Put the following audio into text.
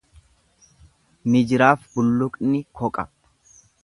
Ni jiraaf bulluqni koqa.